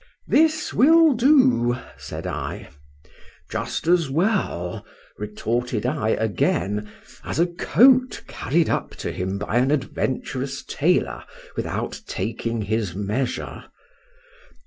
—This will do, said I.—Just as well, retorted I again, as a coat carried up to him by an adventurous tailor, without taking his measure.